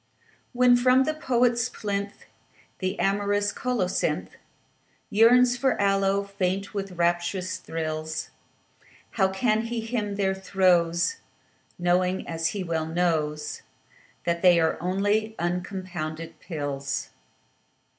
When from the poet's plinth The amorous colocynth Yearns for the aloe, faint with rapturous thrills, How can he hymn their throes Knowing, as well he knows, That they are only uncompounded pills?